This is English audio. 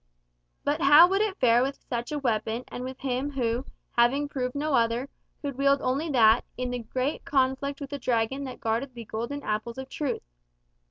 But how would it fare with such a weapon, and with him who, having proved no other, could wield only that, in the great conflict with the Dragon that guarded the golden apples of truth?